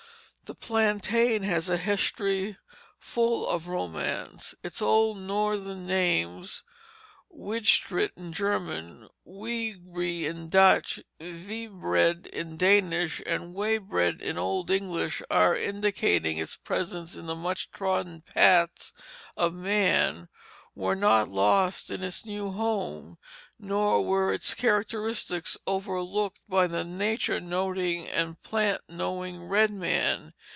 The plantain has a history full of romance; its old Northern names Wegetritt in German, Weegbree in Dutch, Viebred in Danish, and Weybred in Old English, all indicating its presence in the much trodden paths of man were not lost in its new home, nor were its characteristics overlooked by the nature noting and plant knowing red man.